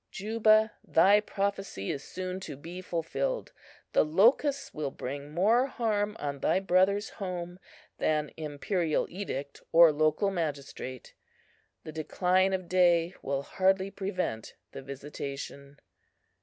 Juba, thy prophecy is soon to be fulfilled! The locusts will bring more harm on thy brother's home than imperial edict or local magistrate. The decline of day will hardly prevent the visitation.